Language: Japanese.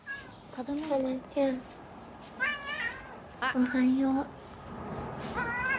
「おはよう」「」